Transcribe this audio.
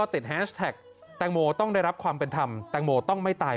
แฮชแท็กแตงโมต้องได้รับความเป็นธรรมแตงโมต้องไม่ตาย